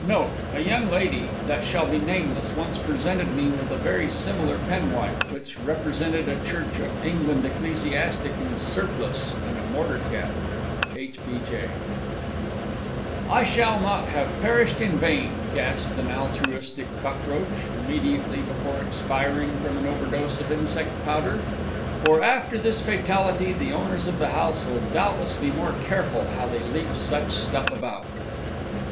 Note. A young lady, that shall be nameless, once presented me with a very similar penwipe, which represented a Church of England ecclesiastic in surplice and mortar cap. H. B. J. "I shall not have perished in vain!" gasped an altruistic Cockroach, immediately before expiring from an overdose of Insect Powder, "for, after this fatality, the Owners of the House will doubtless be more careful how they leave such stuff about!"